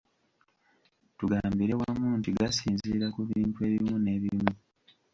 Tugambire wamu nti gasinziira ku bintu ebimu n'ebimu.